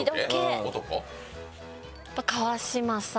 やっぱ川島さん。